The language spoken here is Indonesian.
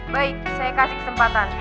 baik saya kasih kesempatan